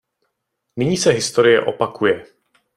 Nyní se historie opakuje.